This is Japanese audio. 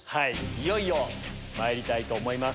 いよいよまいりたいと思います。